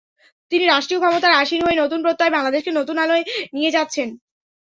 তিনি রাষ্ট্রীয় ক্ষমতায় আসীন হয়ে নতুন প্রত্যয়ে বাংলাদেশকে নতুন আলোয় নিয়ে যাচ্ছেন।